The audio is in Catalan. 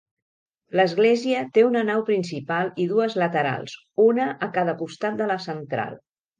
L'església té una nau principal i dues laterals -una a cada costat de la central-.